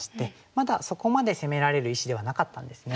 まだそこまで攻められる石ではなかったんですね。